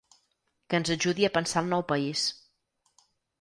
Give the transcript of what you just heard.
Que ens ajudi a pensar el nou país.